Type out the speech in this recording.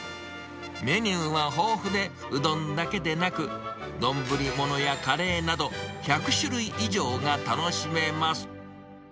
メニューは豊富で、うどんだけでなく、丼物やカレーなど、１００種類以上が楽しめます。